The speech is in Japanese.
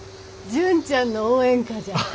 「純ちゃんの応援歌」じゃ。